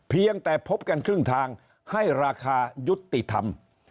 เพียงแต่พบกันครึ่งทางให้ราคายุติธรรม